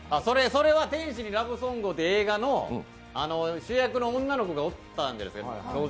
それは「天使にラブソングを」っていう映画の主役の女の子がおったんです。